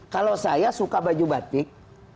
kalau saya suka baju batik